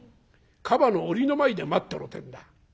『カバの檻の前で待ってろ』ってんだ。